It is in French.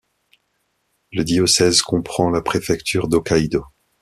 Le diocèse comprend la préfecture d'Hokkaido.